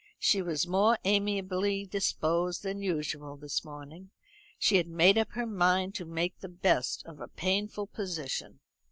She was more amiably disposed than usual this morning. She had made up her mind to make the best of a painful position.